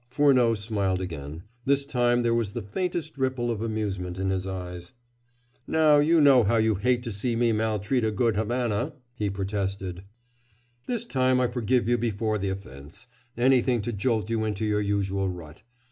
Furneaux smiled again. This time there was the faintest ripple of amusement in his eyes. "Now, you know how you hate to see me maltreat a good Havana," he protested. "This time I forgive you before the offense anything to jolt you into your usual rut.